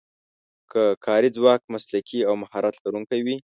که کاري ځواک مسلکي او مهارت لرونکی وي.